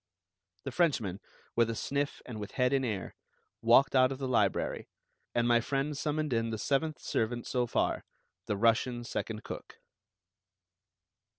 The Frenchman, with a sniff and with head in air, walked out of the library; and my friend summoned in the seventh servant so far, the Russian second cook.